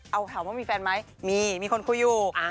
เอาถามว่ามีแฟนไหมมีมีคนคุยอยู่